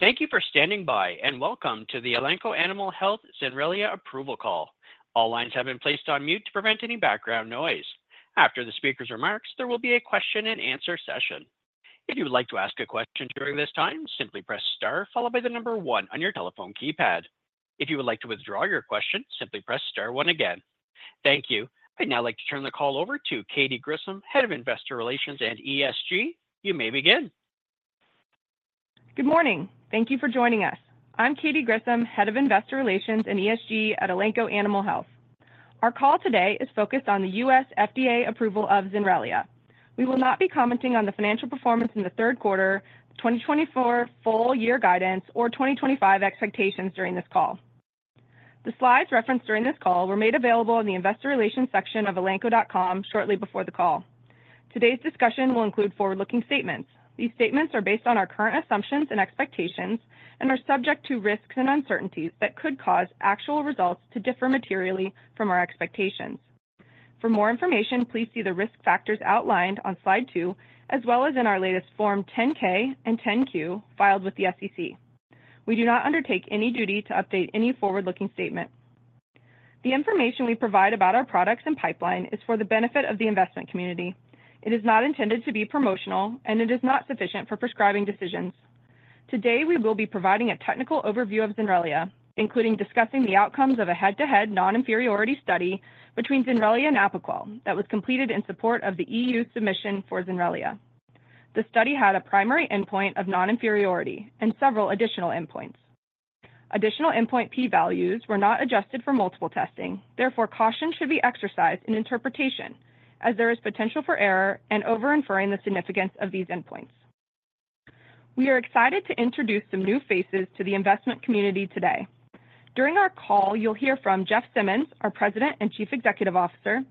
Thank you for standing by, and welcome to the Elanco Animal Health Zenrelia approval call. All lines have been placed on mute to prevent any background noise. After the speaker's remarks, there will be a question-and-answer session. If you would like to ask a question during this time, simply press star followed by the number one on your telephone keypad. If you would like to withdraw your question, simply press star one again. Thank you. I'd now like to turn the call over to Katy Grissom, Head of Investor Relations and ESG. You may begin. Good morning. Thank you for joining us. I'm Katy Grissom, Head of Investor Relations and ESG at Elanco Animal Health. Our call today is focused on the U.S. FDA approval of Zenrelia. We will not be commenting on the financial performance in the third quarter 2024 full year guidance, or 2025 expectations during this call. The slides referenced during this call were made available in the investor relations section of elanco.com shortly before the call. Today's discussion will include forward-looking statements. These statements are based on our current assumptions and expectations and are subject to risks and uncertainties that could cause actual results to differ materially from our expectations. For more information, please see the risk factors outlined on slide 2, as well as in our latest Form 10-K and 10-Q filed with the SEC. We do not undertake any duty to update any forward-looking statement. The information we provide about our products and pipeline is for the benefit of the investment community. It is not intended to be promotional, and it is not sufficient for prescribing decisions. Today, we will be providing a technical overview of Zenrelia, including discussing the outcomes of a head-to-head non-inferiority study between Zenrelia and Apoquel that was completed in support of the EU submission for Zenrelia. The study had a primary endpoint of non-inferiority and several additional endpoints. Additional endpoint p-values were not adjusted for multiple testing. Therefore, caution should be exercised in interpretation, as there is potential for error and over-inferring the significance of these endpoints. We are excited to introduce some new faces to the investment community today. During our call, you'll hear from Jeff Simmons, our President and Chief Executive Officer,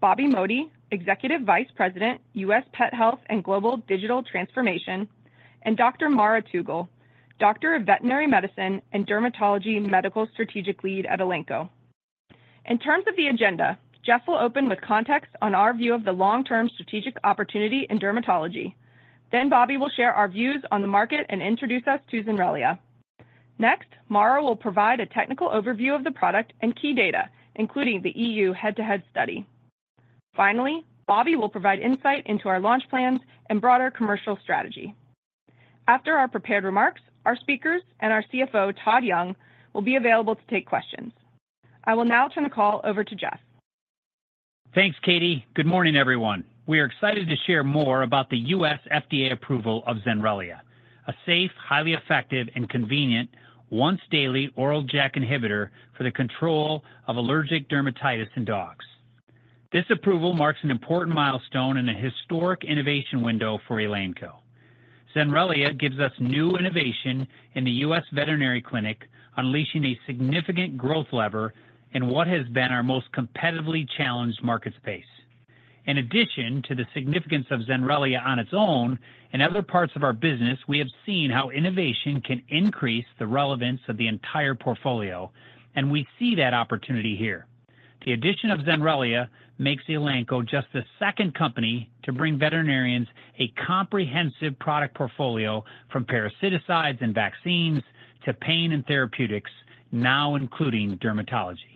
Bobby Modi, Executive Vice President, U.S. Pet Health and Global Digital Transformation, and Dr. Mara Tugel, Doctor of Veterinary Medicine and Dermatology and Medical Strategic Lead at Elanco. In terms of the agenda, Jeff will open with context on our view of the long-term strategic opportunity in dermatology. Then Bobby will share our views on the market and introduce us to Zenrelia. Next, Mara will provide a technical overview of the product and key data, including the EU head-to-head study. Finally, Bobby will provide insight into our launch plans and broader commercial strategy. After our prepared remarks, our speakers and our CFO, Todd Young, will be available to take questions. I will now turn the call over to Jeff. Thanks, Katy. Good morning, everyone. We are excited to share more about the U.S. FDA approval of Zenrelia, a safe, highly effective, and convenient once-daily oral JAK inhibitor for the control of allergic dermatitis in dogs. This approval marks an important milestone and a historic innovation window for Elanco. Zenrelia gives us new innovation in the U.S. veterinary clinic, unleashing a significant growth lever in what has been our most competitively challenged market space. In addition to the significance of Zenrelia on its own, in other parts of our business, we have seen how innovation can increase the relevance of the entire portfolio, and we see that opportunity here. The addition of Zenrelia makes Elanco just the second company to bring veterinarians a comprehensive product portfolio from parasiticides and vaccines to pain and therapeutics, now including dermatology.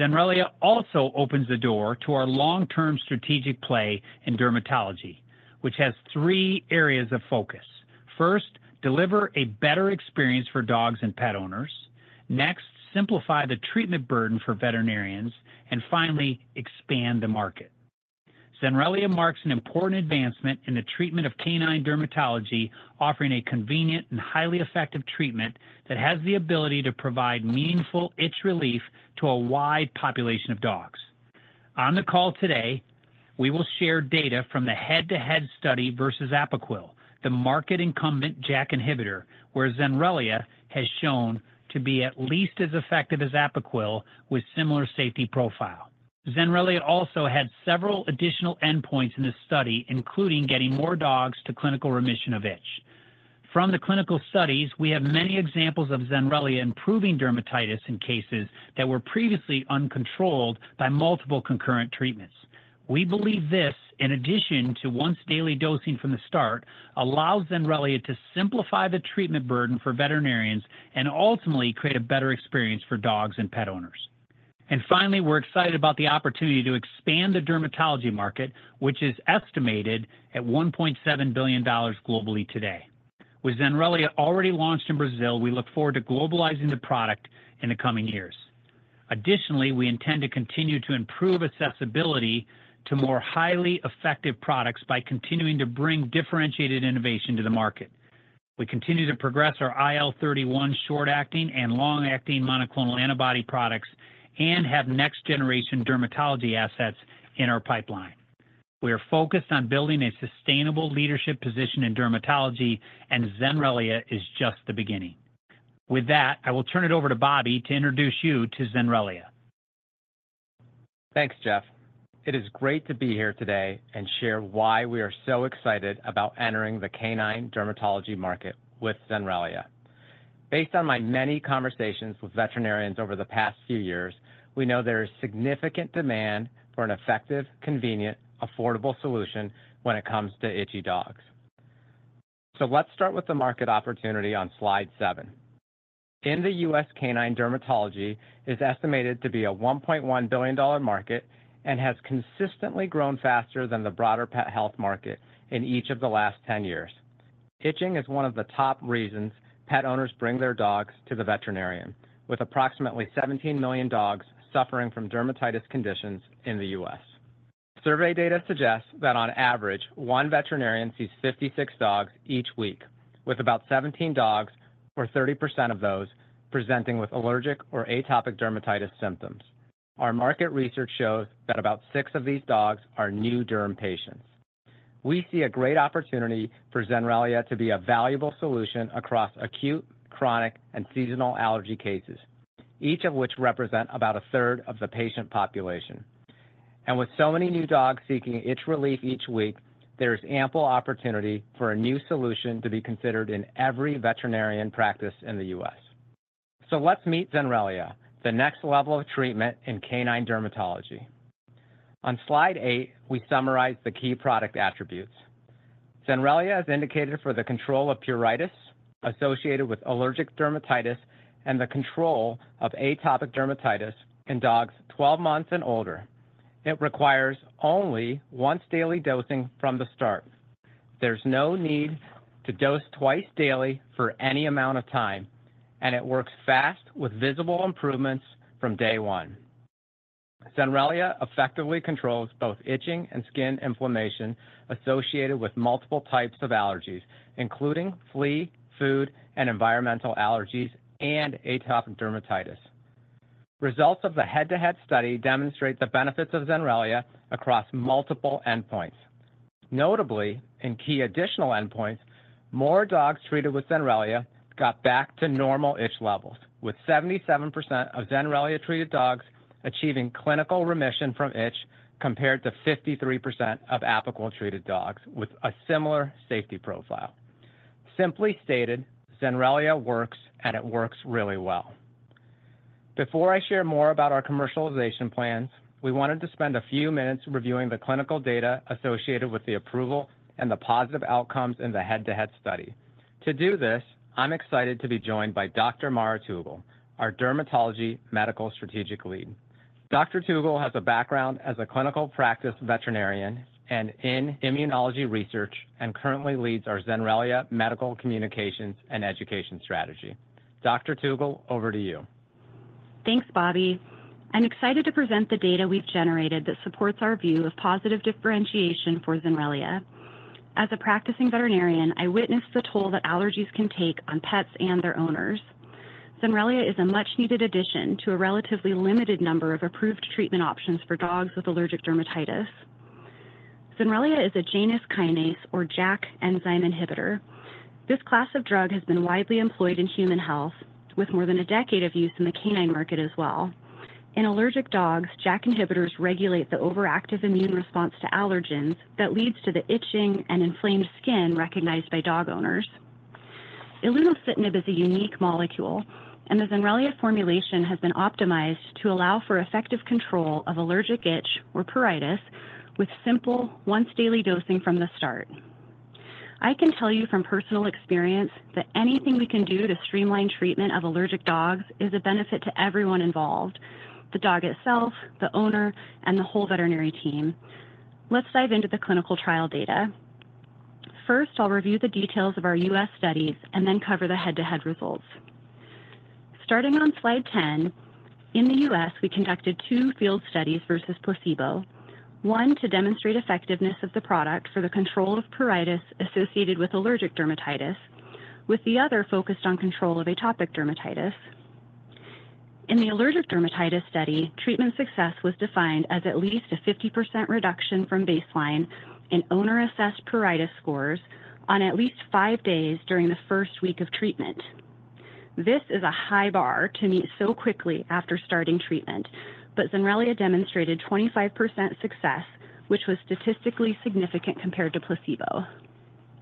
Zenrelia also opens the door to our long-term strategic play in dermatology, which has three areas of focus. First, deliver a better experience for dogs and pet owners. Next, simplify the treatment burden for veterinarians. And finally, expand the market. Zenrelia marks an important advancement in the treatment of canine dermatology, offering a convenient and highly effective treatment that has the ability to provide meaningful itch relief to a wide population of dogs. On the call today, we will share data from the head-to-head study versus Apoquel, the market incumbent JAK inhibitor, where Zenrelia has shown to be at least as effective as Apoquel with similar safety profile. Zenrelia also had several additional endpoints in this study, including getting more dogs to clinical remission of itch. From the clinical studies, we have many examples of Zenrelia improving dermatitis in cases that were previously uncontrolled by multiple concurrent treatments. We believe this, in addition to once-daily dosing from the start, allows Zenrelia to simplify the treatment burden for veterinarians and ultimately create a better experience for dogs and pet owners. And finally, we're excited about the opportunity to expand the dermatology market, which is estimated at $1.7 billion globally today. With Zenrelia already launched in Brazil, we look forward to globalizing the product in the coming years. Additionally, we intend to continue to improve accessibility to more highly effective products by continuing to bring differentiated innovation to the market. We continue to progress our IL-31 short-acting and long-acting monoclonal antibody products and have next-generation dermatology assets in our pipeline. We are focused on building a sustainable leadership position in dermatology, and Zenrelia is just the beginning. With that, I will turn it over to Bobby to introduce you to Zenrelia. Thanks, Jeff. It is great to be here today and share why we are so excited about entering the canine dermatology market with Zenrelia. Based on my many conversations with veterinarians over the past few years, we know there is significant demand for an effective, convenient, affordable solution when it comes to itchy dogs. So let's start with the market opportunity on slide 7. In the U.S., canine dermatology is estimated to be a $1.1 billion market and has consistently grown faster than the broader pet health market in each of the last 10 years. Itching is one of the top reasons pet owners bring their dogs to the veterinarian, with approximately 17 million dogs suffering from dermatitis conditions in the U.S. Survey data suggests that on average, one veterinarian sees 56 dogs each week, with about 17 dogs, or 30% of those, presenting with allergic or atopic dermatitis symptoms. Our market research shows that about 6 of these dogs are new derm patients. We see a great opportunity for Zenrelia to be a valuable solution across acute, chronic, and seasonal allergy cases, each of which represent about 1/3 of the patient population, and with so many new dogs seeking itch relief each week, there is ample opportunity for a new solution to be considered in every veterinarian practice in the U.S., so let's meet Zenrelia, the next level of treatment in canine dermatology. On slide 8, we summarize the key product attributes. Zenrelia is indicated for the control of pruritus associated with allergic dermatitis and the control of atopic dermatitis in dogs 12 months and older. It requires only once-daily dosing from the start. There's no need to dose twice daily for any amount of time, and it works fast with visible improvements from day one. Zenrelia effectively controls both itching and skin inflammation associated with multiple types of allergies, including flea, food, and environmental allergies, and atopic dermatitis. Results of the head-to-head study demonstrate the benefits of Zenrelia across multiple endpoints. Notably, in key additional endpoints, more dogs treated with Zenrelia got back to normal itch levels, with 77% of Zenrelia-treated dogs achieving clinical remission from itch, compared to 53% of Apoquel-treated dogs with a similar safety profile. Simply stated, Zenrelia works, and it works really well. Before I share more about our commercialization plans, we wanted to spend a few minutes reviewing the clinical data associated with the approval and the positive outcomes in the head-to-head study. To do this, I'm excited to be joined by Dr. Mara Tugel, our dermatology medical strategic lead. Dr. Tugel has a background as a clinical practice veterinarian and in immunology research, and currently leads our Zenrelia medical communications and education strategy. Dr. Tugel, over to you. Thanks, Bobby. I'm excited to present the data we've generated that supports our view of positive differentiation for Zenrelia. As a practicing veterinarian, I witnessed the toll that allergies can take on pets and their owners. Zenrelia is a much-needed addition to a relatively limited number of approved treatment options for dogs with allergic dermatitis. Zenrelia is a Janus kinase, or JAK, enzyme inhibitor. This class of drug has been widely employed in human health, with more than a decade of use in the canine market as well. In allergic dogs, JAK inhibitors regulate the overactive immune response to allergens that leads to the itching and inflamed skin recognized by dog owners. Ilunocitinib is a unique molecule, and the Zenrelia formulation has been optimized to allow for effective control of allergic itch or pruritus with simple, once-daily dosing from the start. I can tell you from personal experience that anything we can do to streamline treatment of allergic dogs is a benefit to everyone involved: the dog itself, the owner, and the whole veterinary team. Let's dive into the clinical trial data. First, I'll review the details of our U.S. studies and then cover the head-to-head results. Starting on slide 10, in the U.S., we conducted two field studies versus placebo, one to demonstrate effectiveness of the product for the control of pruritus associated with allergic dermatitis, with the other focused on control of atopic dermatitis. In the allergic dermatitis study, treatment success was defined as at least a 50% reduction from baseline in owner-assessed pruritus scores on at least five days during the first week of treatment. This is a high bar to meet so quickly after starting treatment, but Zenrelia demonstrated 25% success, which was statistically significant compared to placebo.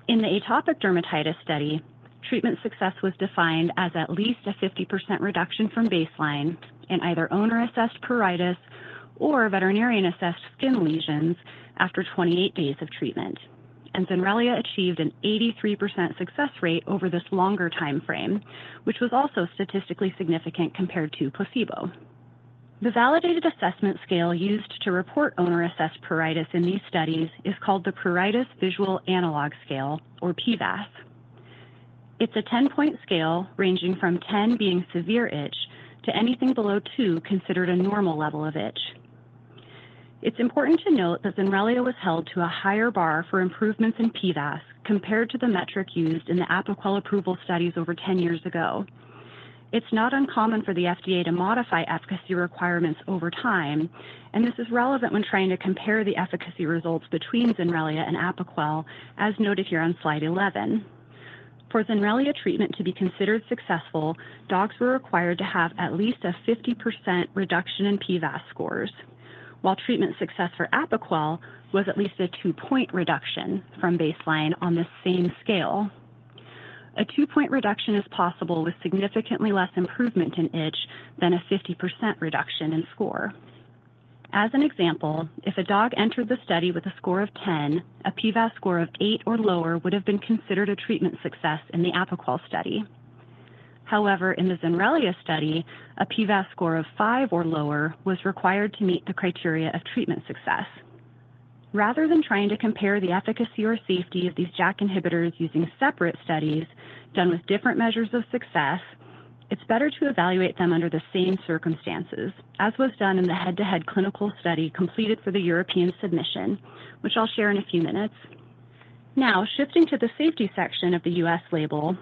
In the atopic dermatitis study, treatment success was defined as at least a 50% reduction from baseline in either owner-assessed pruritus or veterinarian-assessed skin lesions after 28 days of treatment, and Zenrelia achieved an 83% success rate over this longer time frame, which was also statistically significant compared to placebo. The validated assessment scale used to report owner-assessed pruritus in these studies is called the Pruritus Visual Analog Scale, or PVAS. It's a 10-point scale, ranging from 10 being severe itch to anything below two, considered a normal level of itch. It's important to note that Zenrelia was held to a higher bar for improvements in PVAS compared to the metric used in the Apoquel approval studies over 10 years ago. It's not uncommon for the FDA to modify efficacy requirements over time, and this is relevant when trying to compare the efficacy results between Zenrelia and Apoquel, as noted here on slide 11. For Zenrelia treatment to be considered successful, dogs were required to have at least a 50% reduction in PVAS scores. While treatment success for Apoquel was at least a two-point reduction from baseline on this same scale. A two-point reduction is possible with significantly less improvement in itch than a 50% reduction in score. As an example, if a dog entered the study with a score of 10, a PVAS score of 8 or lower would have been considered a treatment success in the Apoquel study. However, in the Zenrelia study, a PVAS score of five or lower was required to meet the criteria of treatment success. Rather than trying to compare the efficacy or safety of these JAK inhibitors using separate studies done with different measures of success, it's better to evaluate them under the same circumstances, as was done in the head-to-head clinical study completed for the European submission, which I'll share in a few minutes. Now, shifting to the safety section of the U.S. label,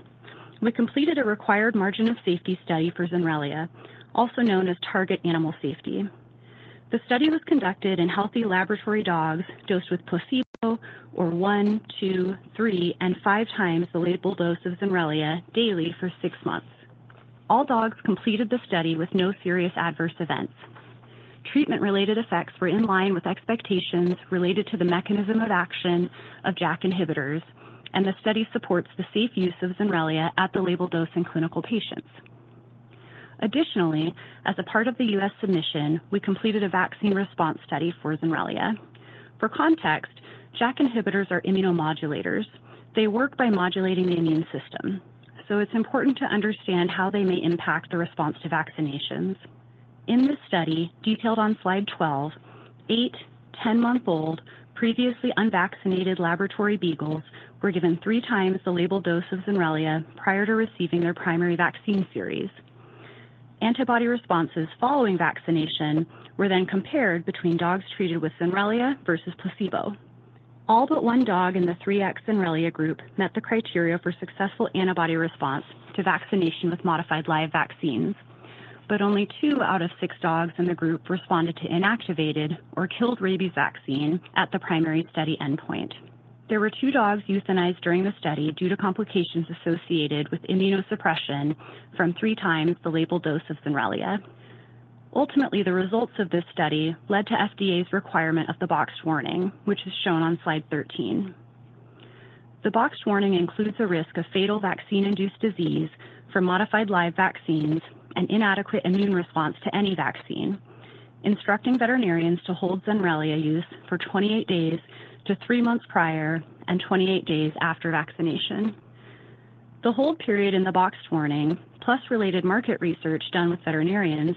we completed a required margin of safety study for Zenrelia, also known as Target Animal Safety. The study was conducted in healthy laboratory dogs dosed with placebo or one, two, three, and five times the label dose of Zenrelia daily for six months. All dogs completed the study with no serious adverse events. Treatment-related effects were in line with expectations related to the mechanism of action of JAK inhibitors, and the study supports the safe use of Zenrelia at the label dose in clinical patients. Additionally, as a part of the U.S. submission, we completed a vaccine response study for Zenrelia. For context, JAK inhibitors are immunomodulators. They work by modulating the immune system, so it's important to understand how they may impact the response to vaccinations. In this study, detailed on slide 12, eight 10-month-old, previously unvaccinated laboratory beagles were given three times the label dose of Zenrelia prior to receiving their primary vaccine series. Antibody responses following vaccination were then compared between dogs treated with Zenrelia versus placebo. All but one dog in the three X Zenrelia group met the criteria for successful antibody response to vaccination with modified live vaccines, but only two out of six dogs in the group responded to inactivated or killed rabies vaccine at the primary study endpoint. There were two dogs euthanized during the study due to complications associated with immunosuppression from three times the label dose of Zenrelia. Ultimately, the results of this study led to FDA's requirement of the boxed warning, which is shown on slide 13. The boxed warning includes a risk of fatal vaccine-induced disease from modified live vaccines and inadequate immune response to any vaccine, instructing veterinarians to hold Zenrelia use for 28 days to three months prior and 28 days after vaccination. The hold period in the boxed warning, plus related market research done with veterinarians,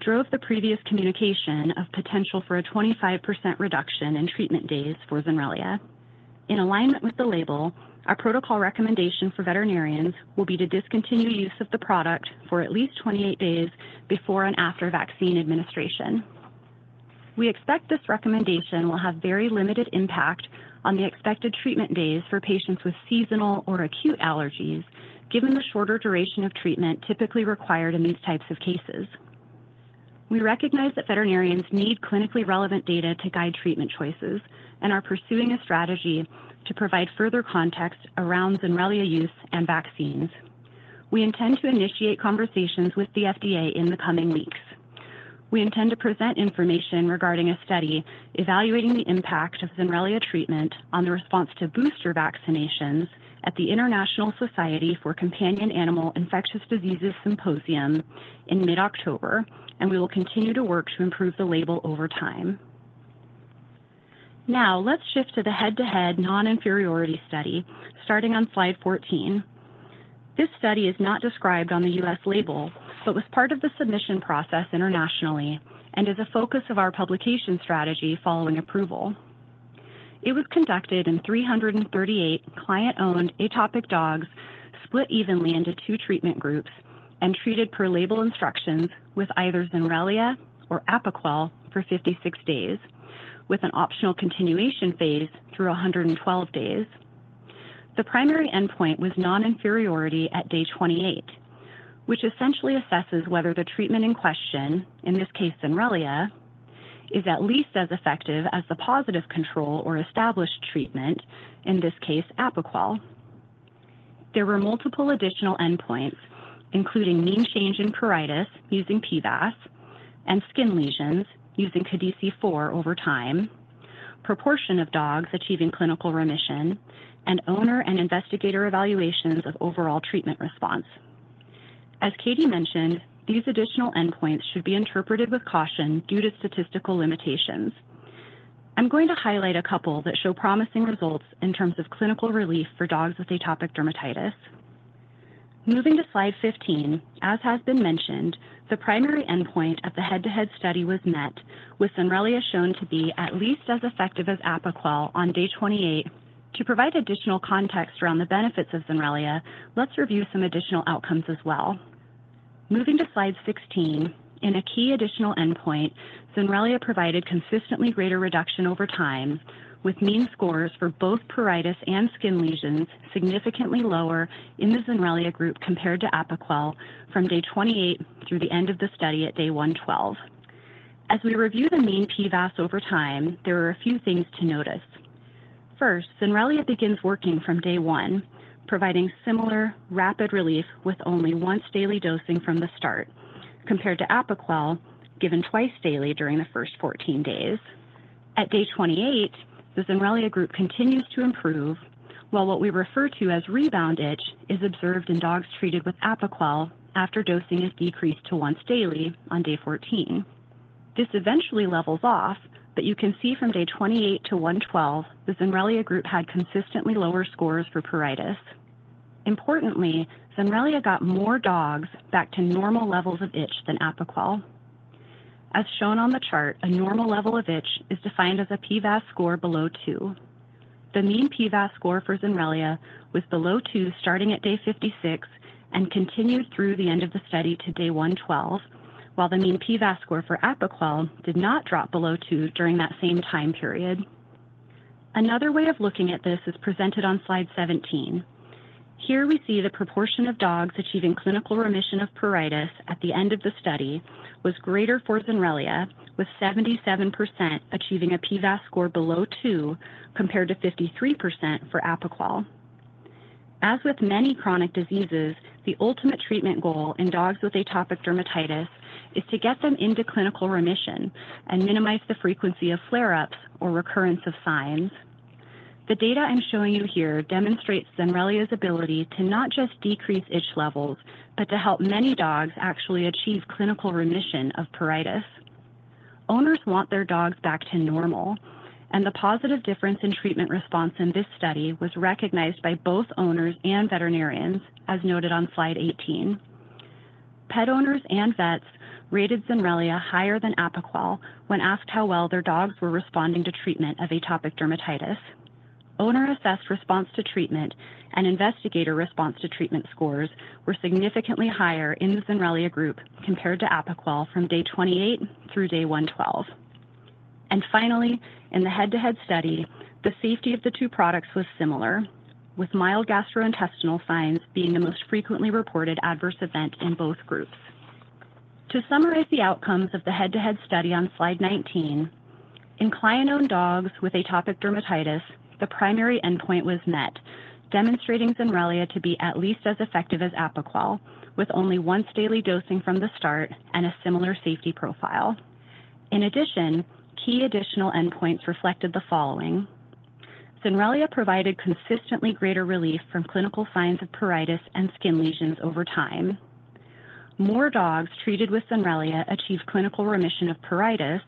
drove the previous communication of potential for a 25% reduction in treatment days for Zenrelia. In alignment with the label, our protocol recommendation for veterinarians will be to discontinue use of the product for at least 28 days before and after vaccine administration. We expect this recommendation will have very limited impact on the expected treatment days for patients with seasonal or acute allergies, given the shorter duration of treatment typically required in these types of cases. We recognize that veterinarians need clinically relevant data to guide treatment choices and are pursuing a strategy to provide further context around Zenrelia use and vaccines. We intend to initiate conversations with the FDA in the coming weeks. We intend to present information regarding a study evaluating the impact of Zenrelia treatment on the response to booster vaccinations at the International Society for Companion Animal Infectious Diseases symposium in mid-October, and we will continue to work to improve the label over time. Now, let's shift to the head-to-head non-inferiority study, starting on slide 14. This study is not described on the U.S. label, but was part of the submission process internationally and is a focus of our publication strategy following approval. It was conducted in 338 client-owned atopic dogs, split evenly into two treatment groups and treated per label instructions with either Zenrelia or Apoquel for 56 days, with an optional continuation phase through 112 days. The primary endpoint was non-inferiority at day 28, which essentially assesses whether the treatment in question, in this case, Zenrelia, is at least as effective as the positive control or established treatment, in this case, Apoquel. There were multiple additional endpoints, including mean change in pruritus using PVAS and skin lesions using CADESI-4 over time, proportion of dogs achieving clinical remission, and owner and investigator evaluations of overall treatment response. As Katy mentioned, these additional endpoints should be interpreted with caution due to statistical limitations. I'm going to highlight a couple that show promising results in terms of clinical relief for dogs with atopic dermatitis. Moving to slide 15, as has been mentioned, the primary endpoint of the head-to-head study was met, with Zenrelia shown to be at least as effective as Apoquel on day 28. To provide additional context around the benefits of Zenrelia, let's review some additional outcomes as well. Moving to slide 16, in a key additional endpoint, Zenrelia provided consistently greater reduction over time, with mean scores for both pruritus and skin lesions significantly lower in the Zenrelia group compared to Apoquel from day 28 through the end of the study at day 112. As we review the mean PVAS over time, there are a few things to notice. First, Zenrelia begins working from day one, providing similar rapid relief with only once-daily dosing from the start, compared to Apoquel, given twice daily during the first 14 days. At day 28, the Zenrelia group continues to improve, while what we refer to as rebound itch is observed in dogs treated with Apoquel after dosing is decreased to once daily on day 14. This eventually levels off, but you can see from day 28-112, the Zenrelia group had consistently lower scores for pruritus. Importantly, Zenrelia got more dogs back to normal levels of itch than Apoquel. As shown on the chart, a normal level of itch is defined as a PVAS score below two. The mean PVAS score for Zenrelia was below two, starting at day 56 and continued through the end of the study to day 112, while the mean PVAS score for Apoquel did not drop below two during that same time period. Another way of looking at this is presented on slide 17. Here we see the proportion of dogs achieving clinical remission of pruritus at the end of the study was greater for Zenrelia, with 77% achieving a PVAS score below two, compared to 53% for Apoquel. As with many chronic diseases, the ultimate treatment goal in dogs with atopic dermatitis is to get them into clinical remission and minimize the frequency of flare-ups or recurrence of signs. The data I'm showing you here demonstrates Zenrelia's ability to not just decrease itch levels, but to help many dogs actually achieve clinical remission of pruritus. Owners want their dogs back to normal, and the positive difference in treatment response in this study was recognized by both owners and veterinarians, as noted on slide 18. Pet owners and vets rated Zenrelia higher than Apoquel when asked how well their dogs were responding to treatment of atopic dermatitis. Owner-assessed response to treatment and investigator response to treatment scores were significantly higher in the Zenrelia group compared to Apoquel from day 28 through day 112. And finally, in the head-to-head study, the safety of the two products was similar, with mild gastrointestinal signs being the most frequently reported adverse event in both groups. To summarize the outcomes of the head-to-head study on slide 19, in client-owned dogs with atopic dermatitis, the primary endpoint was met, demonstrating Zenrelia to be at least as effective as Apoquel, with only once daily dosing from the start and a similar safety profile. In addition, key additional endpoints reflected the following: Zenrelia provided consistently greater relief from clinical signs of pruritus and skin lesions over time. More dogs treated with Zenrelia achieved clinical remission of pruritus,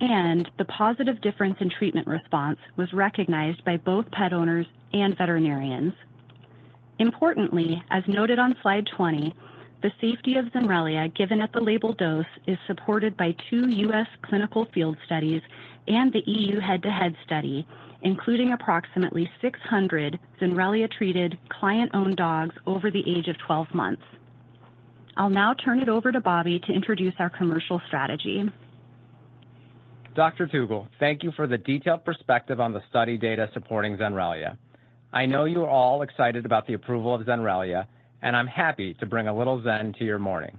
and the positive difference in treatment response was recognized by both pet owners and veterinarians. Importantly, as noted on slide 20, the safety of Zenrelia given at the label dose is supported by two U.S. clinical field studies and the EU head-to-head study, including approximately 600 Zenrelia-treated client-owned dogs over the age of 12 months. I'll now turn it over to Bobby to introduce our commercial strategy. Dr. Tugel, thank you for the detailed perspective on the study data supporting Zenrelia. I know you're all excited about the approval of Zenrelia, and I'm happy to bring a little Zen to your morning.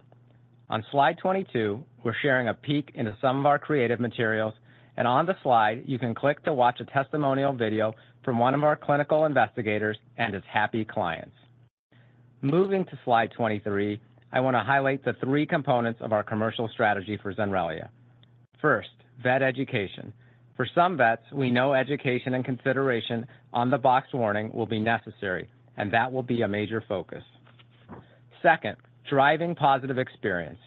On slide 22, we're sharing a peek into some of our creative materials, and on the slide, you can click to watch a testimonial video from one of our clinical investigators and his happy clients. Moving to slide 23, I want to highlight the three components of our commercial strategy for Zenrelia. First, vet education. For some vets, we know education and consideration on the boxed warning will be necessary, and that will be a major focus. Second, driving positive experience.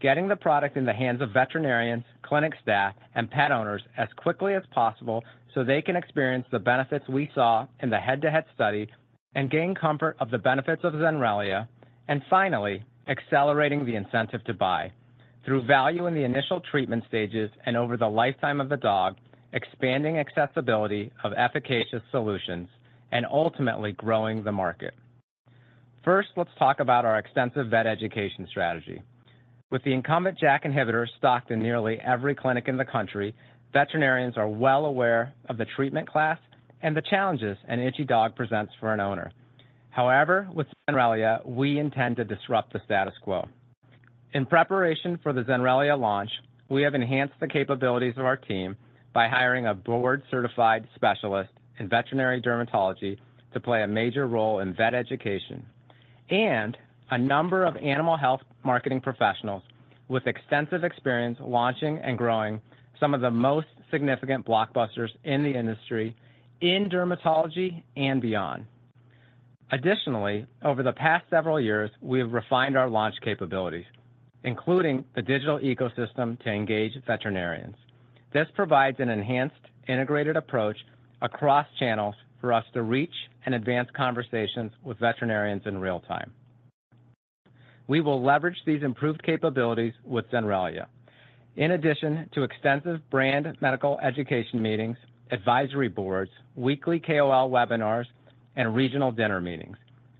Getting the product in the hands of veterinarians, clinic staff, and pet owners as quickly as possible so they can experience the benefits we saw in the head-to-head study and gain comfort of the benefits of Zenrelia, and finally, accelerating the incentive to buy through value in the initial treatment stages and over the lifetime of the dog, expanding accessibility of efficacious solutions, and ultimately growing the market. First, let's talk about our extensive vet education strategy. With the incumbent JAK inhibitor stocked in nearly every clinic in the country, veterinarians are well aware of the treatment class and the challenges an itchy dog presents for an owner. However, with Zenrelia, we intend to disrupt the status quo. In preparation for the Zenrelia launch, we have enhanced the capabilities of our team by hiring a board-certified specialist in veterinary dermatology to play a major role in vet education, and a number of animal health marketing professionals with extensive experience launching and growing some of the most significant blockbusters in the industry, in dermatology and beyond. Additionally, over the past several years, we have refined our launch capabilities, including the digital ecosystem, to engage veterinarians. This provides an enhanced, integrated approach across channels for us to reach and advance conversations with veterinarians in real time. We will leverage these improved capabilities with Zenrelia. In addition to extensive brand medical education meetings, advisory boards, weekly KOL webinars, and regional dinner meetings,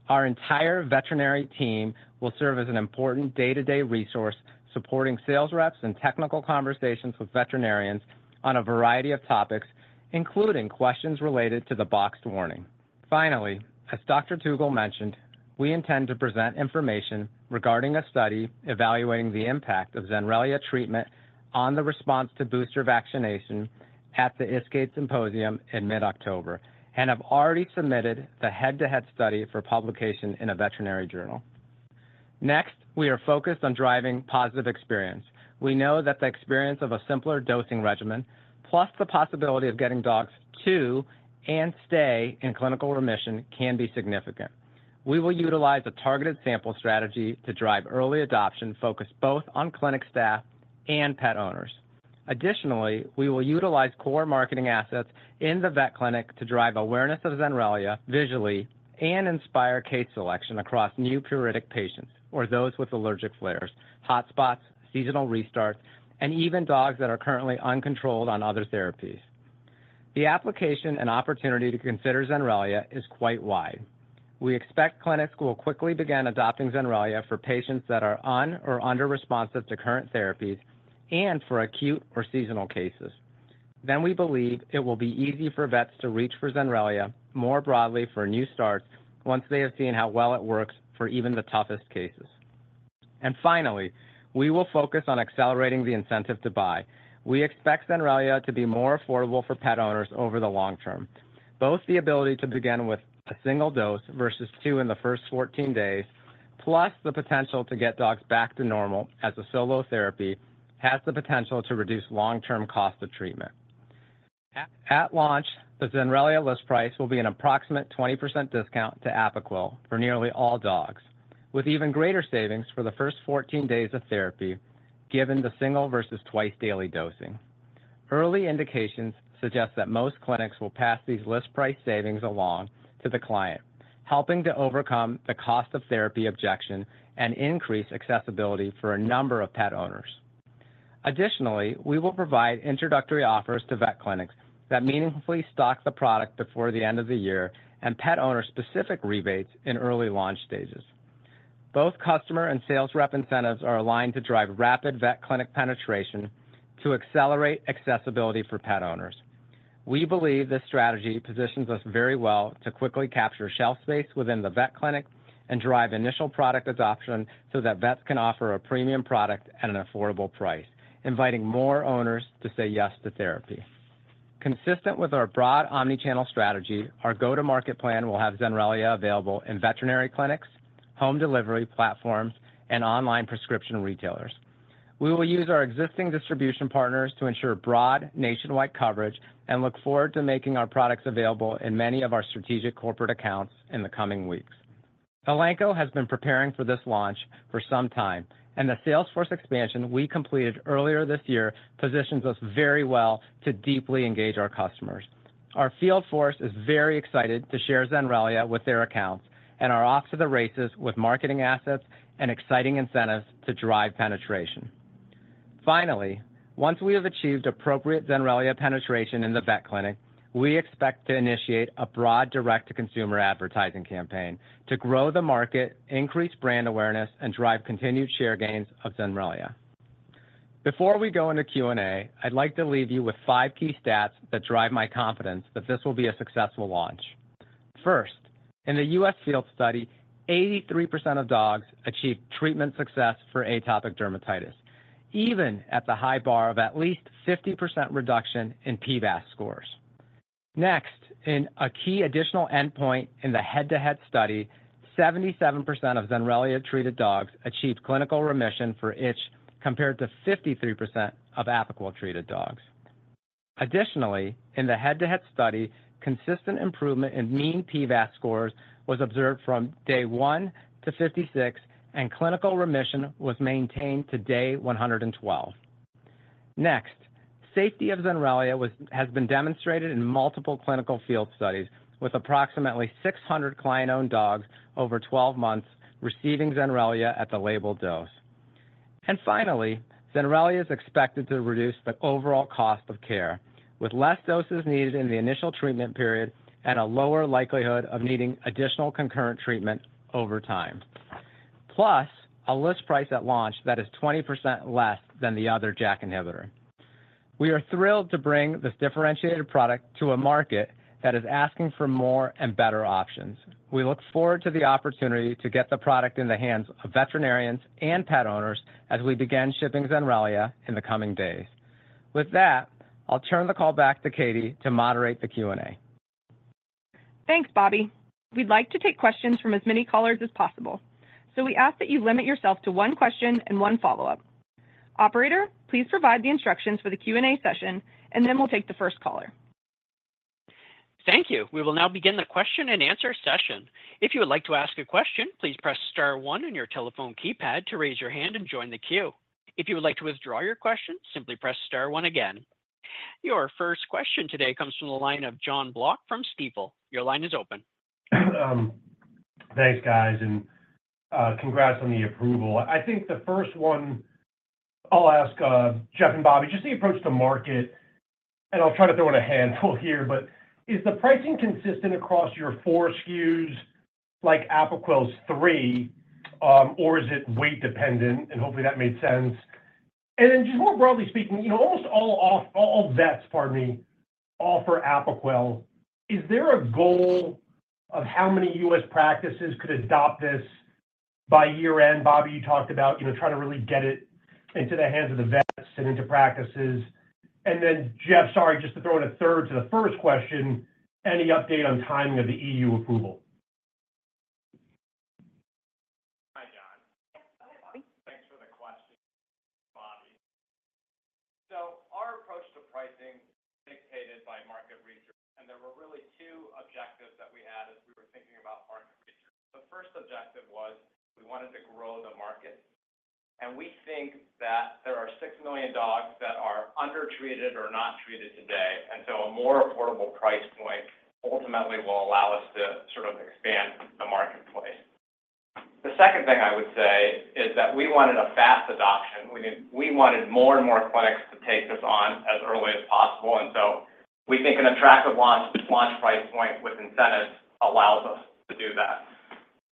our entire veterinary team will serve as an important day-to-day resource, supporting sales reps and technical conversations with veterinarians on a variety of topics, including questions related to the boxed warning. Finally, as Dr. Tugel mentioned, we intend to present information regarding a study evaluating the impact of Zenrelia treatment on the response to booster vaccination at the ISCAID Symposium in mid-October, and have already submitted the head-to-head study for publication in a veterinary journal. Next, we are focused on driving positive experience. We know that the experience of a simpler dosing regimen, plus the possibility of getting dogs to and stay in clinical remission, can be significant. We will utilize a targeted sample strategy to drive early adoption, focused both on clinic staff and pet owners. Additionally, we will utilize core marketing assets in the vet clinic to drive awareness of Zenrelia visually and inspire case selection across new pruritic patients or those with allergic flares, hotspots, seasonal restarts, and even dogs that are currently uncontrolled on other therapies. The application and opportunity to consider Zenrelia is quite wide. We expect clinics will quickly begin adopting Zenrelia for patients that are on or under-responsive to current therapies and for acute or seasonal cases. Then we believe it will be easy for vets to reach for Zenrelia more broadly for new starts once they have seen how well it works for even the toughest cases. And finally, we will focus on accelerating the incentive to buy. We expect Zenrelia to be more affordable for pet owners over the long term. Both the ability to begin with a single dose versus two in the first 14 days, plus the potential to get dogs back to normal as a solo therapy, has the potential to reduce long-term cost of treatment. At launch, the Zenrelia list price will be an approximate 20% discount to Apoquel for nearly all dogs, with even greater savings for the first 14 days of therapy, given the single versus twice-daily dosing. Early indications suggest that most clinics will pass these list price savings along to the client, helping to overcome the cost of therapy objection and increase accessibility for a number of pet owners. Additionally, we will provide introductory offers to vet clinics that meaningfully stock the product before the end of the year and pet owner-specific rebates in early launch stages. Both customer and sales rep incentives are aligned to drive rapid vet clinic penetration to accelerate accessibility for pet owners. We believe this strategy positions us very well to quickly capture shelf space within the vet clinic and drive initial product adoption so that vets can offer a premium product at an affordable price, inviting more owners to say yes to therapy. Consistent with our broad omni-channel strategy, our go-to-market plan will have Zenrelia available in veterinary clinics, home delivery platforms, and online prescription retailers. We will use our existing distribution partners to ensure broad nationwide coverage and look forward to making our products available in many of our strategic corporate accounts in the coming weeks. Elanco has been preparing for this launch for some time, and the sales force expansion we completed earlier this year positions us very well to deeply engage our customers. Our field force is very excited to share Zenrelia with their accounts and are off to the races with marketing assets and exciting incentives to drive penetration. Finally, once we have achieved appropriate Zenrelia penetration in the vet clinic, we expect to initiate a broad direct-to-consumer advertising campaign to grow the market, increase brand awareness, and drive continued share gains of Zenrelia. Before we go into Q&A, I'd like to leave you with five key stats that drive my confidence that this will be a successful launch. First, in the U.S. field study, 83% of dogs achieved treatment success for atopic dermatitis, even at the high bar of at least 50% reduction in PVAS scores. Next, in a key additional endpoint in the head-to-head study, 77% of Zenrelia-treated dogs achieved clinical remission for itch, compared to 53% of Apoquel-treated dogs. Additionally, in the head-to-head study, consistent improvement in mean PVAS scores was observed from day 1-56, and clinical remission was maintained to day 112. Next, safety of Zenrelia has been demonstrated in multiple clinical field studies with approximately 600 client-owned dogs over 12 months receiving Zenrelia at the label dose. And finally, Zenrelia is expected to reduce the overall cost of care, with less doses needed in the initial treatment period and a lower likelihood of needing additional concurrent treatment over time. Plus, a list price at launch that is 20% less than the other JAK inhibitor. We are thrilled to bring this differentiated product to a market that is asking for more and better options. We look forward to the opportunity to get the product in the hands of veterinarians and pet owners as we begin shipping Zenrelia in the coming days. With that, I'll turn the call back to Katy to moderate the Q&A. Thanks, Bobby. We'd like to take questions from as many callers as possible, so we ask that you limit yourself to one question and one follow-up. Operator, please provide the instructions for the Q&A session, and then we'll take the first caller. Thank you. We will now begin the question-and-answer session. If you would like to ask a question, please press star one on your telephone keypad to raise your hand and join the queue. If you would like to withdraw your question, simply press star one again. Your first question today comes from the line of Jon Block from Stifel. Your line is open. Thanks, guys, and congrats on the approval. I think the first one I'll ask, Jeff and Bobby, just the approach to market, and I'll try to throw in a handful here, but is the pricing consistent across your four SKUs, like Apoquel's three, or is it weight dependent? And hopefully that made sense. And then just more broadly speaking, you know, almost all vets, pardon me, offer Apoquel. Is there a goal of how many U.S. practices could adopt this by year-end? Bobby, you talked about, you know, trying to really get it into the hands of the vets and into practices. And then, Jeff, sorry, just to throw in 1/3 to the first question, any update on timing of the EU approval? Hi, Jon. Thanks for the question, Bobby, so our approach to pricing is dictated by market research, and there were really two objectives that we had as we were thinking about market research. The first objective was we wanted to grow the market, and we think that there are 6 million dogs that are undertreated or not treated today, and so a more affordable price point ultimately will allow us to sort of expand the marketplace. The second thing I would say is that we wanted a fast adoption. We wanted more and more clinics to take this on as early as possible, and so we think an attractive launch price point with incentives allows us to do that.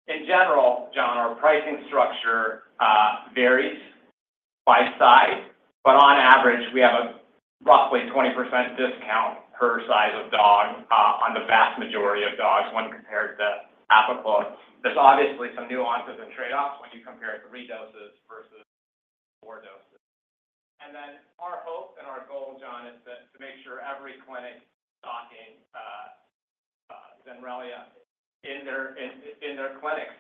In general, John, our pricing structure varies by size, but on average, we have a roughly 20% discount per size of dog on the vast majority of dogs when compared to Apoquel. There's obviously some nuances and trade-offs when you compare it to three doses versus four doses. Our hope and our goal, John, is to make sure every clinic stocking Zenrelia in their clinics.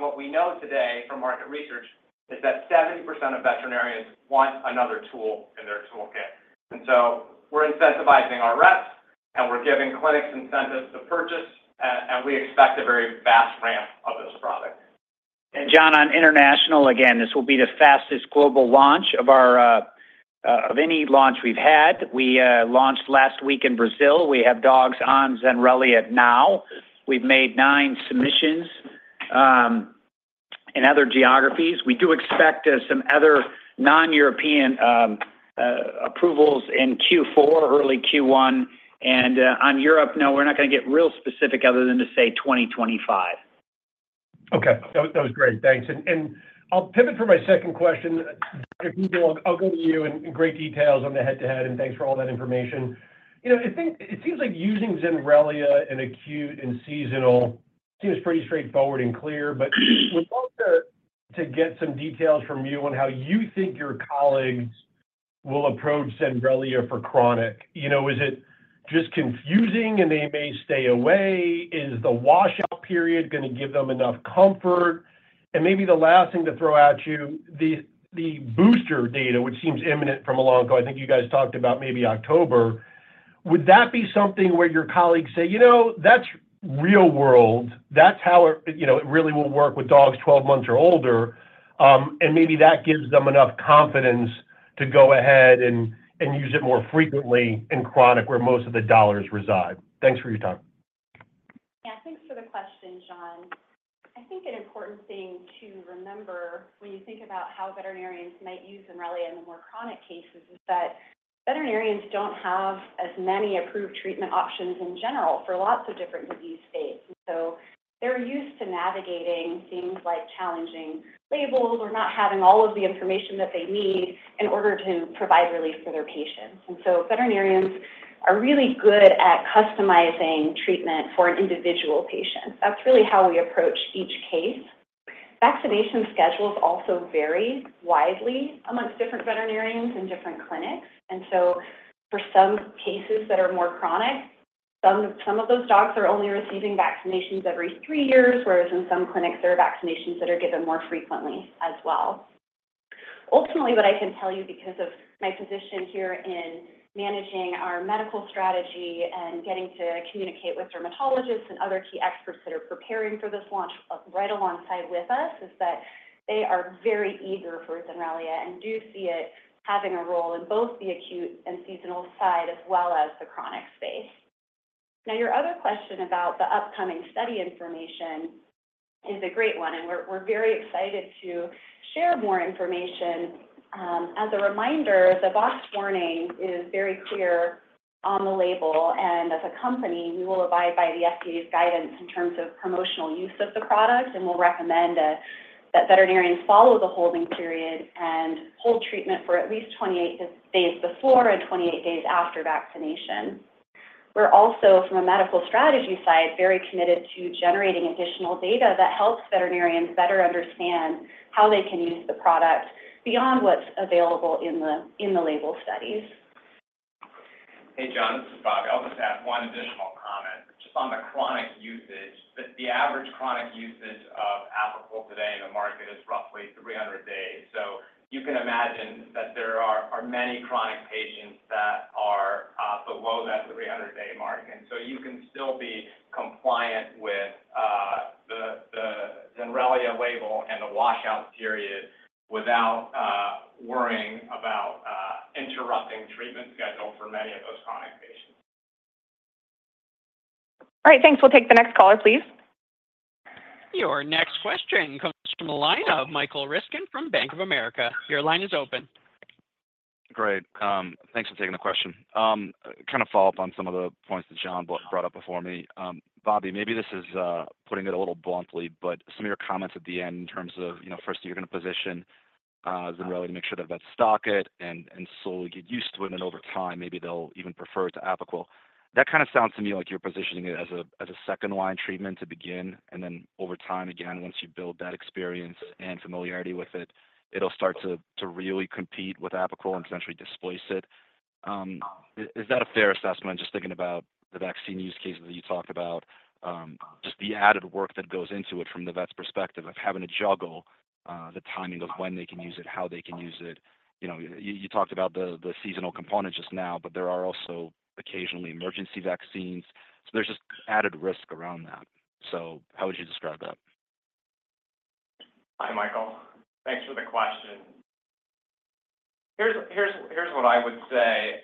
What we know today from market research is that 70% of veterinarians want another tool in their toolkit. So we're incentivizing our reps, and we're giving clinics incentives to purchase, and we expect a very fast ramp of this product. John, on international, again, this will be the fastest global launch of any launch we've had. We launched last week in Brazil. We have dogs on Zenrelia now. We've made nine submissions in other geographies. We do expect some other non-European approvals in Q4, early Q1. And on Europe, no, we're not gonna get real specific other than to say 2025. Okay. That was great. Thanks. And I'll pivot for my second question. Dr. Tugel, I'll go to you in great detail on the head-to-head, and thanks for all that information. You know, it seems like using Zenrelia in acute and seasonal seems pretty straightforward and clear, but we'd love to get some details from you on how you think your colleagues will approach Zenrelia for chronic. You know, is it just confusing, and they may stay away? Is the washout period gonna give them enough comfort? And maybe the last thing to throw at you, the booster data, which seems imminent from Elanco. I think you guys talked about maybe October. Would that be something where your colleagues say, "You know, that's real world." That's how it, you know, it really will work with dogs 12 months or older, and maybe that gives them enough confidence to go ahead and use it more frequently in chronic, where most of the dollars reside. Thanks for your time. Yeah, thanks for the question, John. I think an important thing to remember when you think about how veterinarians might use Zenrelia in the more chronic cases is that veterinarians don't have as many approved treatment options in general for lots of different disease states. So they're used to navigating things like challenging labels or not having all of the information that they need in order to provide relief for their patients, and so veterinarians are really good at customizing treatment for an individual patient. That's really how we approach each case. Vaccination schedules also vary widely among different veterinarians and different clinics, and so for some cases that are more chronic, some of those dogs are only receiving vaccinations every three years, whereas in some clinics, there are vaccinations that are given more frequently as well. Ultimately, what I can tell you, because of my position here in managing our medical strategy and getting to communicate with dermatologists and other key experts that are preparing for this launch right alongside with us, is that they are very eager for Zenrelia and do see it having a role in both the acute and seasonal side, as well as the chronic space. Now, your other question about the upcoming study information is a great one, and we're very excited to share more information. As a reminder, the Boxed warning is very clear on the label, and as a company, we will abide by the FDA's guidance in terms of promotional use of the product, and we'll recommend that veterinarians follow the holding period and hold treatment for at least 28 days before and 28 days after vaccination. We're also, from a medical strategy side, very committed to generating additional data that helps veterinarians better understand how they can use the product beyond what's available in the label studies. Hey, John, this is Bobby. I'll just add one additional comment. Just on the chronic usage, the average chronic usage of Apoquel today in the market is roughly 300 days. So you can imagine that there are many chronic patients that are below that 300-day mark. And so you can still be compliant with the Zenrelia label and the washout period without worrying about interrupting treatment schedule for many of those chronic patients. All right, thanks. We'll take the next caller, please. Your next question comes from the line of Michael Ryskin from Bank of America. Your line is open. Great. Thanks for taking the question. Kind of follow up on some of the points that Jon brought up before me. Bobby, maybe this is putting it a little bluntly, but some of your comments at the end in terms of, you know, first, you're gonna position Zenrelia to make sure that vets stock it and slowly get used to it, and then over time, maybe they'll even prefer it to Apoquel. That kind of sounds to me like you're positioning it as a second-line treatment to begin, and then over time, again, once you build that experience and familiarity with it, it'll start to really compete with Apoquel and eventually displace it. Is that a fair assessment, just thinking about the vaccine use cases that you talked about, just the added work that goes into it from the vet's perspective of having to juggle the timing of when they can use it, how they can use it? You know, you talked about the seasonal component just now, but there are also occasionally emergency vaccines, so there's just added risk around that. So how would you describe that? Hi, Michael. Thanks for the question. Here's what I would say.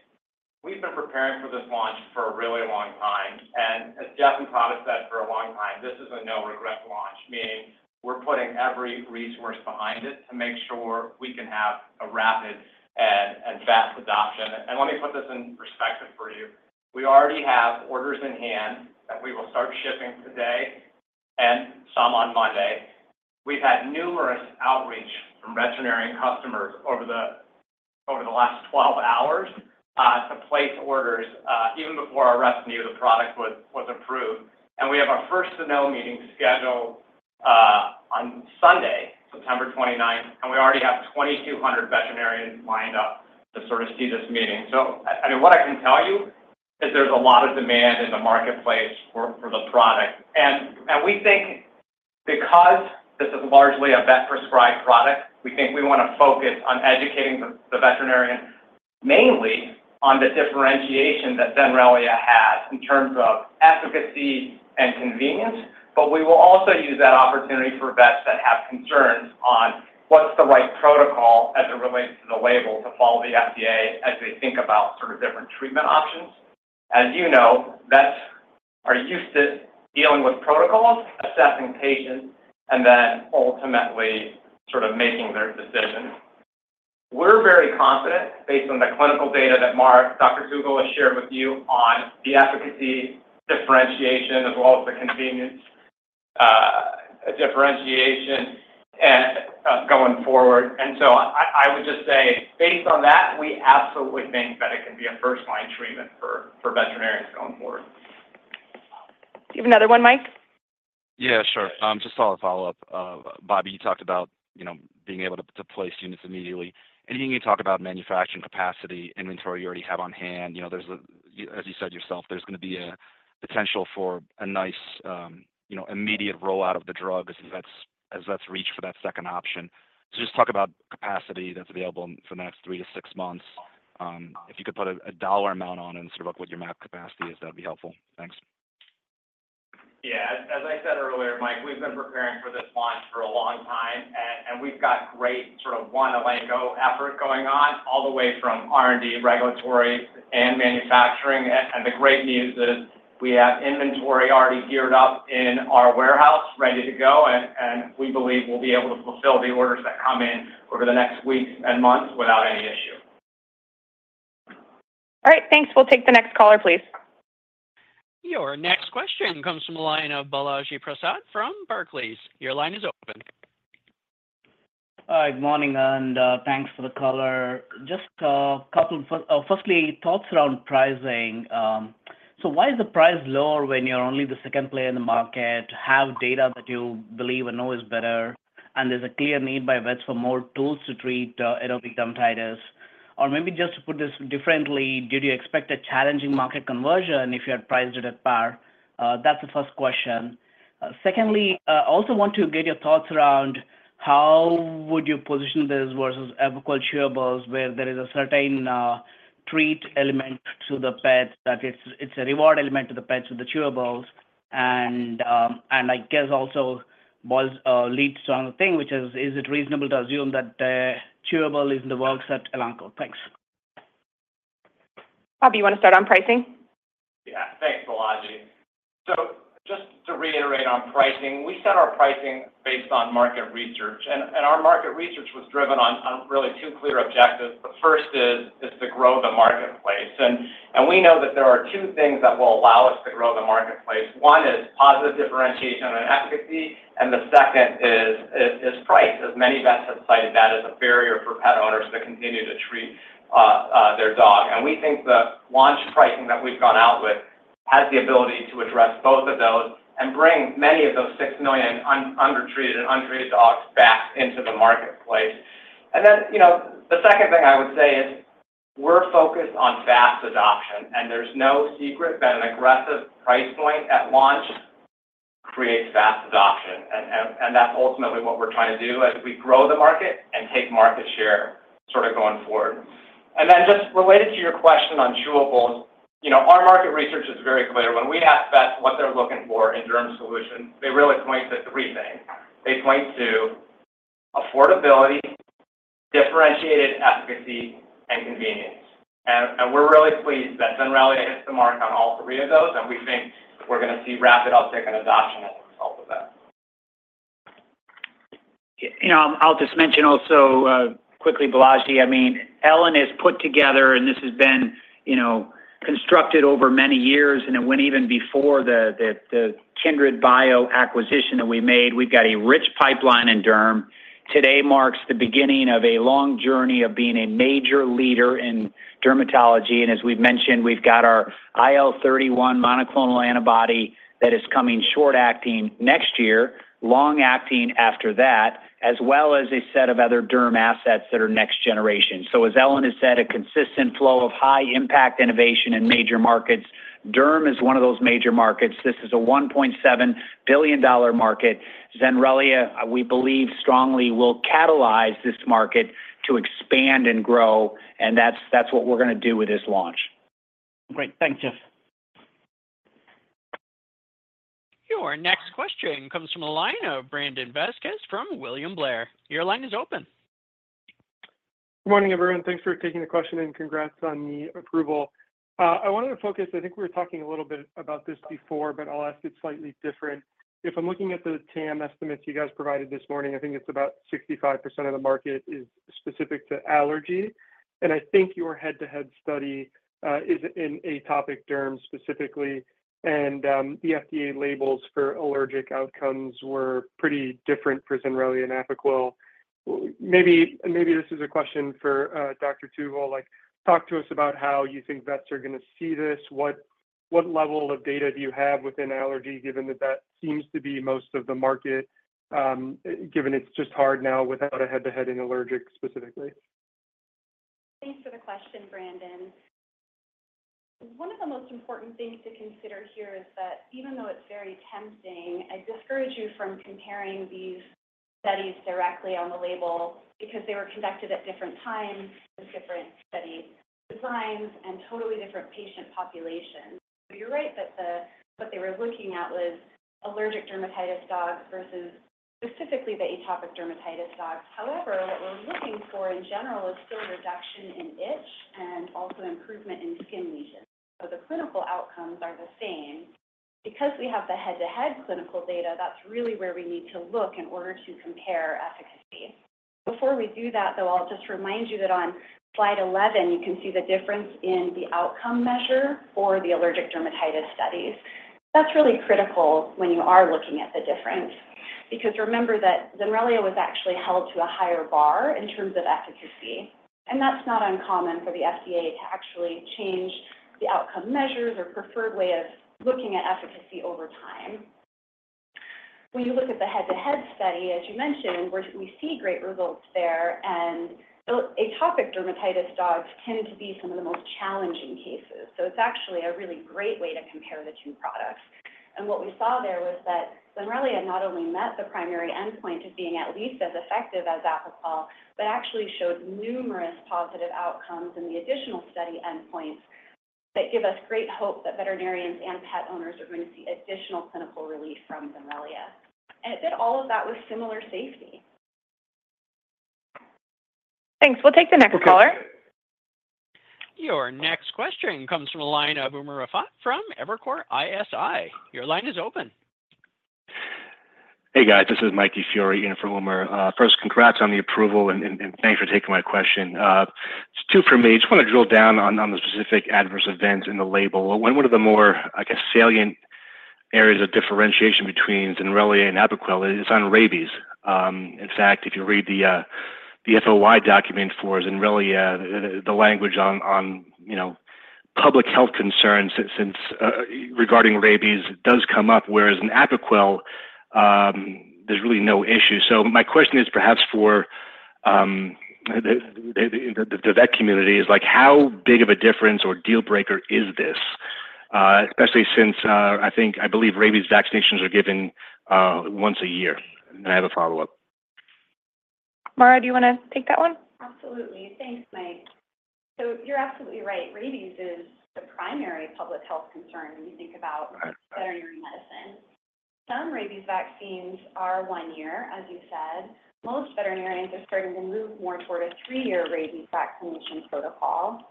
We've been preparing for this launch for a really long time, and as Jeff and Todd have said for a long time, this is a no-regret launch, meaning we're putting every resource behind it to make sure we can have a rapid and fast adoption. And let me put this in perspective for you. We already have orders in hand that we will start shipping today and some on Monday. We've had numerous outreach from veterinarian customers over the last 12 hours to place orders, even before our release of the product was approved. And we have our first Zenrelia meeting scheduled on Sunday, September 29th, and we already have 2,200 veterinarians lined up to sort of see this meeting. I mean, what I can tell you is there's a lot of demand in the marketplace for the product. And we think because this is largely a vet-prescribed product, we think we want to focus on educating the veterinarian, mainly on the differentiation that Zenrelia has in terms of efficacy and convenience. But we will also use that opportunity for vets that have concerns on what's the right protocol as it relates to the label, to follow the FDA as they think about sort of different treatment options. As you know, vets are used to dealing with protocols, assessing patients, and then ultimately sort of making their decisions. We're very confident, based on the clinical data that Mara, Dr. Tugel, has shared with you on the efficacy differentiation as well as the convenience differentiation and going forward. And so I would just say, based on that, we absolutely think that it can be a first-line treatment for veterinarians going forward. Do you have another one, Mike? Yeah, sure. Just a follow-up. Bobby, you talked about, you know, being able to place units immediately. Anything you can talk about manufacturing capacity, inventory you already have on hand? You know, there's a, as you said yourself, there's gonna be a potential for a nice, you know, immediate rollout of the drug as vets reach for that second option. So just talk about capacity that's available for the next 3-6 months. If you could put a dollar amount on it and sort of what your max capacity is, that'd be helpful. Thanks. Yeah. As I said earlier, Mike, we've been preparing for this launch for a long time, and we've got great sort of one Elanco effort going on, all the way from R&D, regulatory, and manufacturing. And the great news is we have inventory already geared up in our warehouse, ready to go, and we believe we'll be able to fulfill the orders that come in over the next weeks and months without any issue. All right, thanks. We'll take the next caller, please. Your next question comes from the line of Balaji Prasad from Barclays. Your line is open. Hi, good morning, and, thanks for the call. Just a couple, Firstly, thoughts around pricing. So why is the price lower when you're only the second player in the market, have data that you believe and know is better, and there's a clear need by vets for more tools to treat, atopic dermatitis? Or maybe just to put this differently, did you expect a challenging market conversion if you had priced it at par? That's the first question. Secondly, I also want to get your thoughts around how would you position this versus Apoquel chewables, where there is a certain, treat element to the pet, that it's a reward element to the pet with the chewables. I guess also that all leads to another thing, which is, is it reasonable to assume that the chewable is in the works at Elanco? Thanks. Bobby, you wanna start on pricing? Yeah. Thanks, Balaji. So just to reiterate on pricing, we set our pricing based on market research, and our market research was driven on really two clear objectives. The first is to grow the marketplace, and we know that there are two things that will allow us to grow the marketplace. One is positive differentiation and efficacy, and the second is price, as many vets have cited that as a barrier for pet owners to continue to treat their dog. And we think the launch pricing that we've gone out with has the ability to address both of those and bring many of those 6 million untreated dogs back into the marketplace. And then, you know, the second thing I would say is, we're focused on fast adoption, and there's no secret that an aggressive price point at launch creates fast adoption, and that's ultimately what we're trying to do as we grow the market and take market share sort of going forward. And then, just related to your question on chewables, you know, our market research is very clear. When we ask vets what they're looking for in derm solutions, they really point to three things. They point to affordability, differentiated efficacy, and convenience. And we're really pleased that Zenrelia hits the mark on all three of those, and we think we're gonna see rapid uptick in adoption. I'll just mention also, quickly, Balaji, I mean, Ellen has put together, and this has been, you know, constructed over many years, and it went even before the Kindred Bio acquisition that we made. We've got a rich pipeline in derm. Today marks the beginning of a long journey of being a major leader in dermatology, and as we've mentioned, we've got our IL-31 monoclonal antibody that is coming short-acting next year, long-acting after that, as well as a set of other derm assets that are next generation. So as Ellen has said, a consistent flow of high-impact innovation in major markets. Derm is one of those major markets. This is a $1.7 billion market. Zenrelia, we believe strongly, will catalyze this market to expand and grow, and that's what we're gonna do with this launch. Great. Thanks, Jeff. Your next question comes from the line of Brandon Vazquez from William Blair. Your line is open. Good morning, everyone. Thanks for taking the question, and congrats on the approval. I wanted to focus. I think we were talking a little bit about this before, but I'll ask it slightly different. If I'm looking at the TAM estimates you guys provided this morning, I think it's about 65% of the market is specific to allergy, and I think your head-to-head study is in atopic derm specifically, and the FDA labels for allergic outcomes were pretty different for Zenrelia and Apoquel. Maybe this is a question for Dr. Tugel. Like, talk to us about how you think vets are gonna see this. What level of data do you have within allergy, given that that seems to be most of the market, given it's just hard now without a head-to-head in allergic specifically? Thanks for the question, Brandon. One of the most important things to consider here is that even though it's very tempting, I discourage you from comparing these studies directly on the label because they were conducted at different times with different study designs and totally different patient populations. You're right that what they were looking at was allergic dermatitis dogs versus specifically the atopic dermatitis dogs. However, what we're looking for in general is still reduction in itch and also improvement in skin lesions. So the clinical outcomes are the same. Because we have the head-to-head clinical data, that's really where we need to look in order to compare efficacy. Before we do that, though, I'll just remind you that on slide 11, you can see the difference in the outcome measure for the allergic dermatitis studies. That's really critical when you are looking at the difference because remember that Zenrelia was actually held to a higher bar in terms of efficacy, and that's not uncommon for the FDA to actually change the outcome measures or preferred way of looking at efficacy over time. When you look at the head-to-head study, as you mentioned, we see great results there, and the atopic dermatitis dogs tend to be some of the most challenging cases. So it's actually a really great way to compare the two products. And what we saw there was that Zenrelia not only met the primary endpoint to being at least as effective as Apoquel, but actually showed numerous positive outcomes in the additional study endpoints that give us great hope that veterinarians and pet owners are going to see additional clinical relief from Zenrelia. And it did all of that with similar safety. Thanks. We'll take the next caller. Your next question comes from the line of Umer Raffat from Evercore ISI. Your line is open. Hey, guys, this is Michael DiFiore in for Umer. First, congrats on the approval and thanks for taking my question. It's two for me. Just wanna drill down on the specific adverse events in the label. One of the more, I guess, salient areas of differentiation between Zenrelia and Apoquel is on rabies. In fact, if you read the FOI document for Zenrelia, the language on, you know, public health concerns since regarding rabies, it does come up, whereas in Apoquel, there's really no issue. So my question is perhaps for the vet community is, like, how big of a difference or deal breaker is this? Especially since I believe rabies vaccinations are given once a year. And I have a follow-up. Mara, do you wanna take that one? Absolutely. Thanks, Mike. So you're absolutely right. Rabies is the primary public health concern when you think about- Right. Veterinary medicine. Some rabies vaccines are one year, as you said. Most veterinarians are starting to move more toward a three-year rabies vaccination protocol.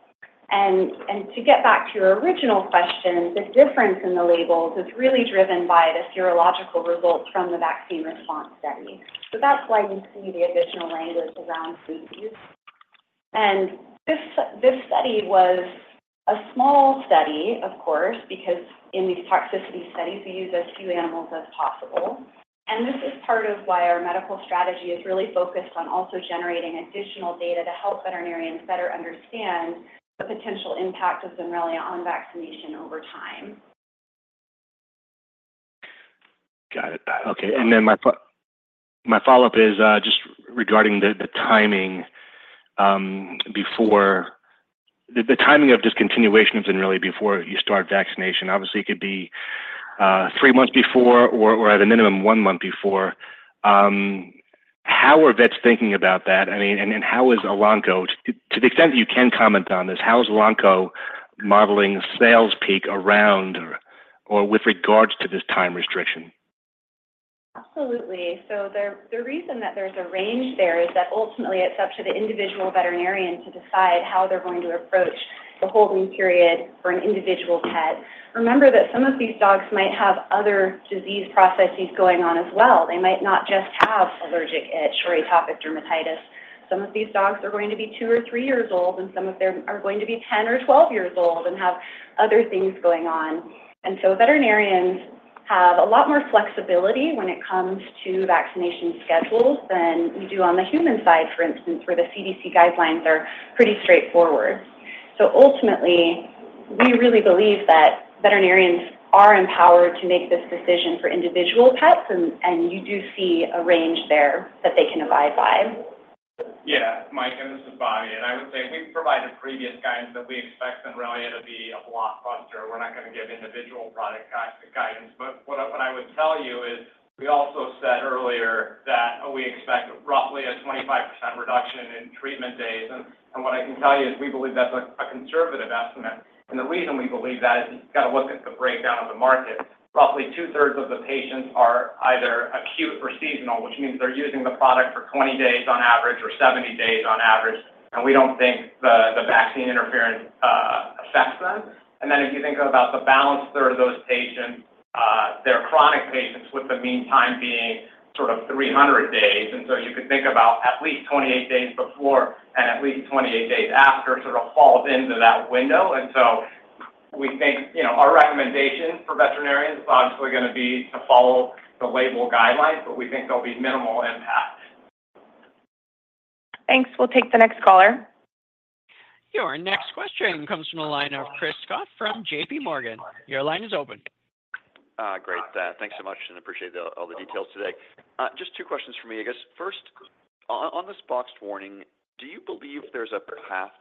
And to get back to your original question, the difference in the labels is really driven by the serological results from the vaccine response study. So that's why you see the additional language around rabies. And this study was a small study, of course, because in these toxicity studies, we use as few animals as possible. And this is part of why our medical strategy is really focused on also generating additional data to help veterinarians better understand the potential impact of Zenrelia on vaccination over time. Got it. Okay, and then my follow-up is just regarding the timing before the timing of discontinuation of Zenrelia before you start vaccination. Obviously, it could be three months before or at a minimum one month before. How are vets thinking about that? I mean, and how is Elanco, to the extent that you can comment on this, how is Elanco modeling sales peak around or with regards to this time restriction? Absolutely. So the reason that there's a range there is that ultimately it's up to the individual veterinarian to decide how they're going to approach the holding period for an individual pet. Remember that some of these dogs might have other disease processes going on as well. They might not just have allergic itch or atopic dermatitis. Some of these dogs are going to be 2 or 3 years old, and some of them are going to be 10 or 12 years old and have other things going on, and so veterinarians have a lot more flexibility when it comes to vaccination schedules than we do on the human side, for instance, where the CDC guidelines are pretty straightforward, so ultimately, we really believe that veterinarians are empowered to make this decision for individual pets, and you do see a range there that they can abide by. Yeah, Mike, and this is Bobby, and I would say if we've provided previous guidance that we expect Zenrelia to be a blockbuster, we're not going to give individual product guidance. But what I would tell you is, we also said earlier that we expect roughly a 25% reduction in treatment days. And what I can tell you is we believe that's a conservative estimate. And the reason we believe that is you've got to look at the breakdown of the market. Roughly 2/3 of the patients are either acute or seasonal, which means they're using the product for 20 days on average or 70 days on average, and we don't think the vaccine interference affects them. And then if you think about the balance, there are those patients, they're chronic patients, with the mean time being sort of 300 days. And so you could think about at least 28 days before and at least 28 days after sort of falls into that window. And so we think, you know, our recommendation for veterinarians is obviously going to be to follow the label guidelines, but we think there'll be minimal impact. Thanks. We'll take the next caller. Your next question comes from the line of Chris Schott from JPMorgan. Your line is open. Great. Thanks so much, and appreciate all the details today. Just two questions for me. I guess first on this boxed warning, do you believe there's a path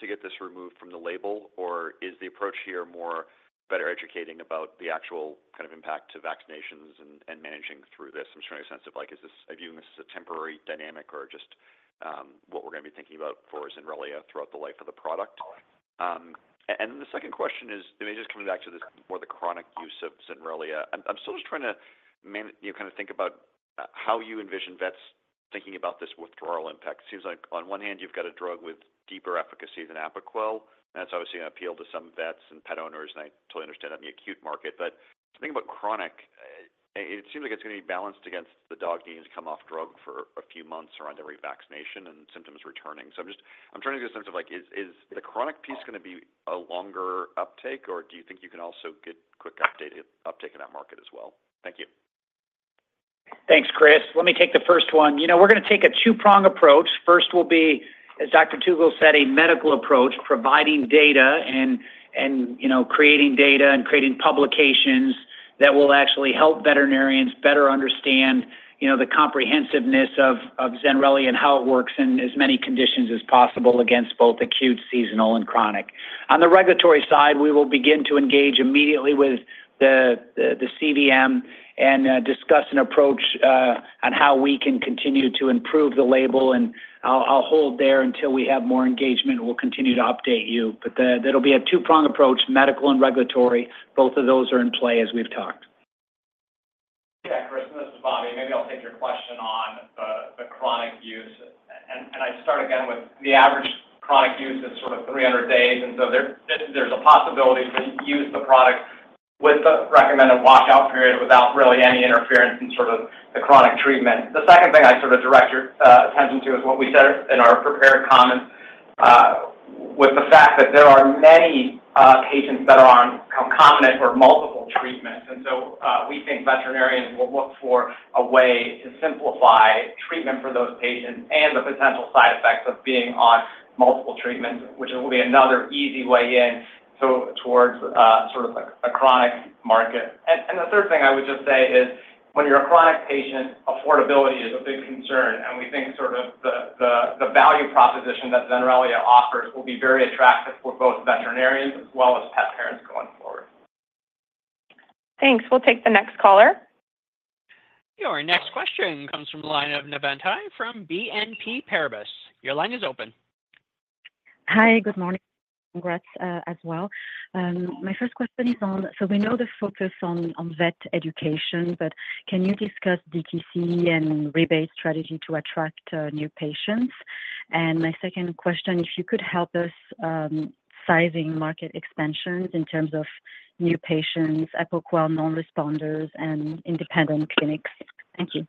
to get this removed from the label, or is the approach here more better educating about the actual kind of impact to vaccinations and managing through this? I'm just trying to get a sense of, like, are you viewing this as a temporary dynamic or just what we're going to be thinking about for Zenrelia throughout the life of the product? And the second question is, maybe just coming back to this, more the chronic use of Zenrelia. I'm still just trying to you know kind of think about how you envision vets thinking about this withdrawal impact. It seems like on one hand, you've got a drug with deeper efficacy than Apoquel, and that's obviously going to appeal to some vets and pet owners, and I totally understand that in the acute market. But the thing about chronic, it seems like it's going to be balanced against the dog needs to come off drug for a few months around every vaccination and symptoms returning. So I'm just I'm trying to get a sense of, like, is the chronic piece going to be a longer uptake, or do you think you can also get quick uptake in that market as well? Thank you. Thanks, Chris. Let me take the first one. You know, we're going to take a two-prong approach. First will be, as Dr. Tugel said, a medical approach, providing data and you know, creating data and creating publications that will actually help veterinarians better understand, you know, the comprehensiveness of Zenrelia and how it works in as many conditions as possible against both acute, seasonal, and chronic. On the regulatory side, we will begin to engage immediately with the CVM and discuss an approach on how we can continue to improve the label, and I'll hold there until we have more engagement. We'll continue to update you, but that'll be a two-prong approach, medical and regulatory. Both of those are in play, as we've talked. Yeah, Chris, this is Bobby. Maybe I'll take your question on the chronic use, and I start again with the average chronic use is sort of 300 days, and so there's a possibility to use the product with the recommended washout period without really any interference in sort of the chronic treatment. The second thing I sort of direct your attention to is what we said in our prepared comments with the fact that there are many patients that are on concomitant or multiple treatments. And so we think veterinarians will look for a way to simplify treatment for those patients and the potential side effects of being on multiple treatments, which will be another easy way in towards sort of a chronic market. The third thing I would just say is, when you're a chronic patient, affordability is a big concern, and we think sort of the value proposition that Zenrelia offers will be very attractive for both veterinarians as well as pet parents going forward. Thanks. We'll take the next caller. Your next question comes from the line of Navann Ty from BNP Paribas. Your line is open. Hi, good morning. Congrats, as well. My first question is on. So we know the focus on vet education, but can you discuss DTC and rebate strategy to attract new patients? And my second question, if you could help us sizing market expansions in terms of new patients, Apoquel non-responders, and independent clinics. Thank you.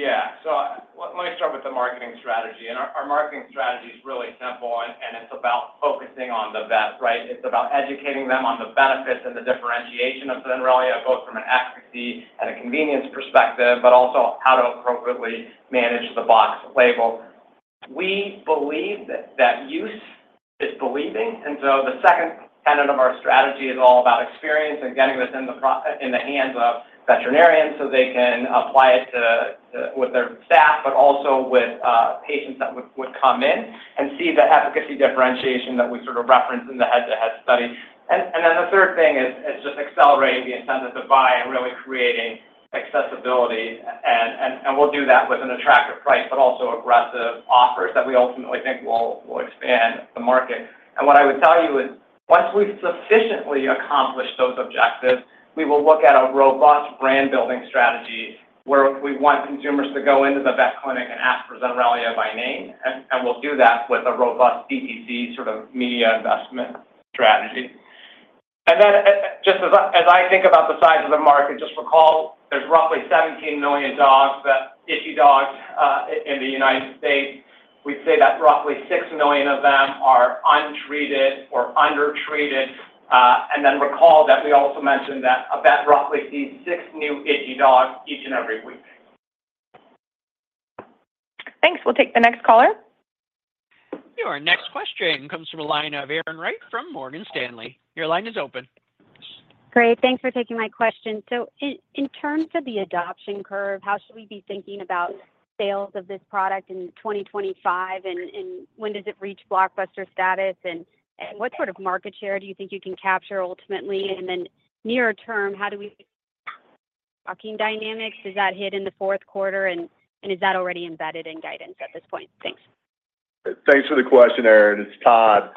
Yeah. So let me start with the marketing strategy, and our marketing strategy is really simple, and it's about focusing on the vet, right? It's about educating them on the benefits and the differentiation of Zenrelia, both from an efficacy and a convenience perspective, but also how to appropriately manage the boxed label. We believe that that use is believable, and so the second tenet of our strategy is all about experience and getting this in the hands of veterinarians, so they can apply it with their staff, but also with patients that would come in and see the efficacy differentiation that we sort of referenced in the head-to-head study. Then the third thing is just accelerating the incentive to buy and really creating accessibility, and we'll do that with an attractive price, but also aggressive offers that we ultimately think will expand the market. What I would tell you is, once we've sufficiently accomplished those objectives, we will look at a robust brand-building strategy where we want consumers to go into the vet clinic and ask for Zenrelia by name, and we'll do that with a robust DTC sort of media investment strategy. As I think about the size of the market, just recall there's roughly 17 million itchy dogs in the United States. We'd say that roughly 6 million of them are untreated or undertreated. And then recall that we also mentioned that about roughly six new itchy dogs each and every week. Thanks. We'll take the next caller. Your next question comes from the line of Erin Wright from Morgan Stanley. Your line is open. Great, thanks for taking my question. So in terms of the adoption curve, how should we be thinking about sales of this product in 2025, and when does it reach blockbuster status? And what sort of market share do you think you can capture ultimately? And then nearer term, how do stocking dynamics, does that hit in the fourth quarter? And is that already embedded in guidance at this point? Thanks. Thanks for the question, Erin. It's Todd.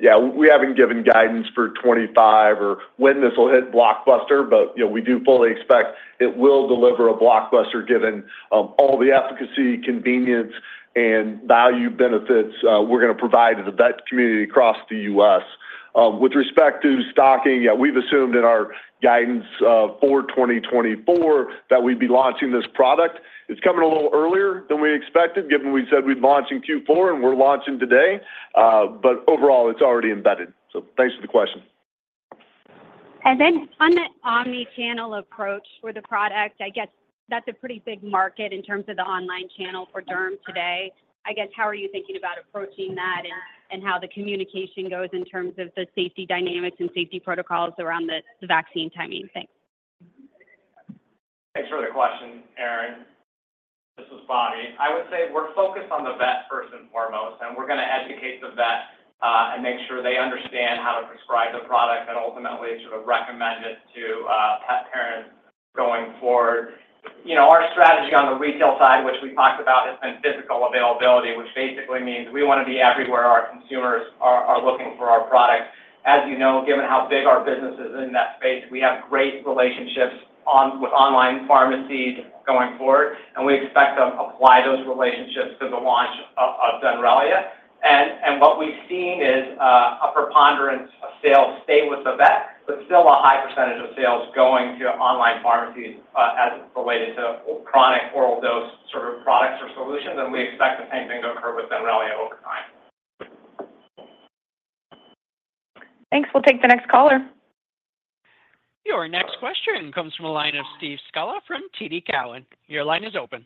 Yeah, we haven't given guidance for 2025 or when this will hit blockbuster, but, you know, we do fully expect it will deliver a blockbuster, given all the efficacy, convenience, and value benefits we're gonna provide to the vet community across the U.S. With respect to stocking, yeah, we've assumed in our guidance for 2024 that we'd be launching this product. It's coming a little earlier than we expected, given we said we'd launch in Q4, and we're launching today. But overall, it's already embedded. So thanks for the question. And then on the omni-channel approach for the product, I guess that's a pretty big market in terms of the online channel for derm today. I guess, how are you thinking about approaching that and how the communication goes in terms of the safety dynamics and safety protocols around the vaccine timing? Thanks. Thanks for the question, Erin. This is Bobby. I would say we're focused on the vet, first and foremost, and we're gonna educate the vet, and make sure they understand how to prescribe the product and ultimately sort of recommend it to pet parents going forward. You know, our strategy on the retail side, which we talked about, has been physical availability, which basically means we wanna be everywhere our consumers are looking for our products. As you know, given how big our business is in that space, we have great relationships with online pharmacies going forward, and we expect to apply those relationships to the launch of Zenrelia. What we've seen is a preponderance of sales stay with the vet, but still a high percentage of sales going to online pharmacies, as it related to chronic oral dose sort of products or solutions, and we expect the same thing to occur with Zenrelia over time. Thanks. We'll take the next caller. Your next question comes from a line of Steve Scala from TD Cowen. Your line is open.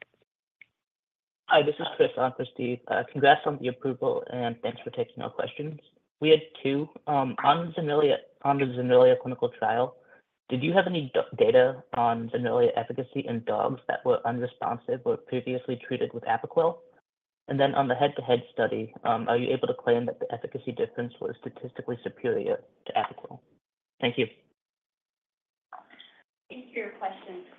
Hi, this is Chris for Steve. Congrats on the approval, and thanks for taking our questions. We had two. On Zenrelia, on the Zenrelia clinical trial, did you have any data on Zenrelia efficacy in dogs that were unresponsive but previously treated with Apoquel? And then on the head-to-head study, are you able to claim that the efficacy difference was statistically superior to Apoquel? Thank you. Thank you for your questions, Chris.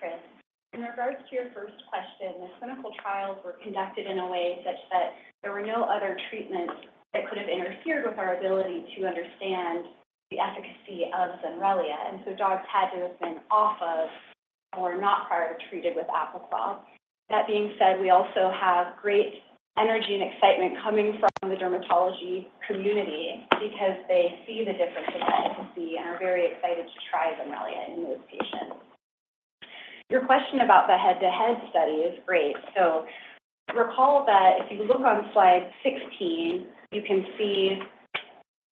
In regards to your first question, the clinical trials were conducted in a way such that there were no other treatments that could have interfered with our ability to understand the efficacy of Zenrelia, and so dogs had to have been off of or not prior treated with Apoquel. That being said, we also have great energy and excitement coming from the dermatology community because they see the difference in efficacy and are very excited to try Zenrelia in those patients. Your question about the head-to-head study is great, so recall that if you look on slide 16, you can see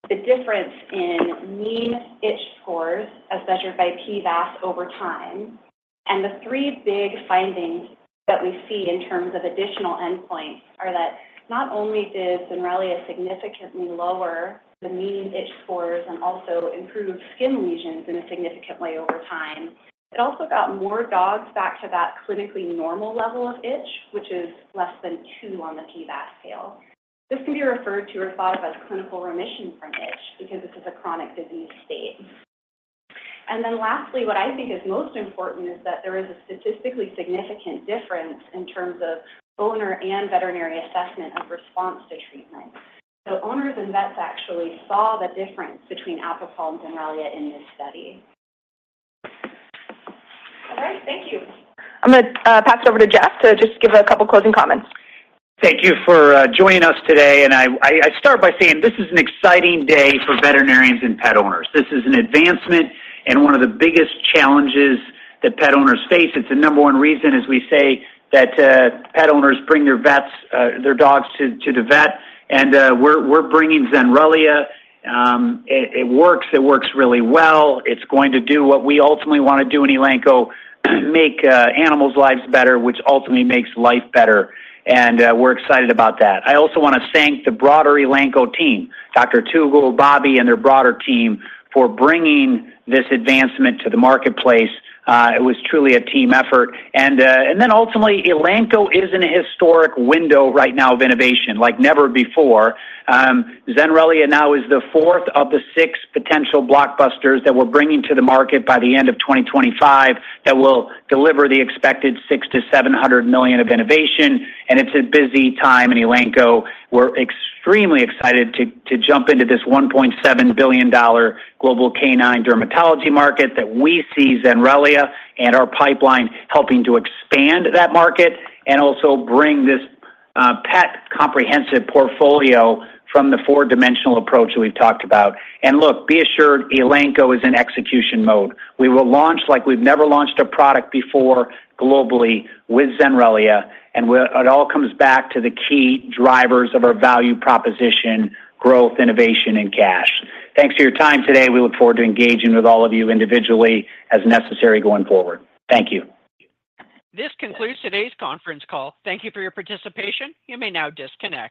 the difference in mean itch scores as measured by PVAS over time. The three big findings that we see in terms of additional endpoints are that not only is Zenrelia significantly lower the mean itch scores and also improved skin lesions in a significant way over time. It also got more dogs back to that clinically normal level of itch, which is less than two on the PVAS scale. This can be referred to or thought of as clinical remission from itch, because this is a chronic disease state. Lastly, what I think is most important is that there is a statistically significant difference in terms of owner and veterinary assessment of response to treatment. Owners and vets actually saw the difference between Apoquel and Zenrelia in this study. All right, thank you. I'm gonna pass it over to Jeff to just give a couple closing comments. Thank you for joining us today, and I start by saying this is an exciting day for veterinarians and pet owners. This is an advancement in one of the biggest challenges that pet owners face. It's the number one reason, as we say, that pet owners bring their vets, their dogs to the vet, and we're bringing Zenrelia. It works really well. It's going to do what we ultimately wanna do in Elanco, make animals' lives better, which ultimately makes life better, and we're excited about that. I also wanna thank the broader Elanco team, Dr. Tugel, Bobby, and their broader team for bringing this advancement to the marketplace. It was truly a team effort, and then ultimately, Elanco is in a historic window right now of innovation like never before. Zenrelia now is the fourth of the six potential blockbusters that we're bringing to the market by the end of 2025, that will deliver the expected $600 million-$700 million of innovation, and it's a busy time in Elanco. We're extremely excited to jump into this $1.7 billion global canine dermatology market that we see Zenrelia and our pipeline helping to expand that market and also bring this pet comprehensive portfolio from the four-dimensional approach that we've talked about, and look, be assured, Elanco is in execution mode. We will launch like we've never launched a product before globally with Zenrelia, and it all comes back to the key drivers of our value proposition, growth, innovation, and cash. Thanks for your time today. We look forward to engaging with all of you individually as necessary going forward. Thank you. This concludes today's conference call. Thank you for your participation. You may now disconnect.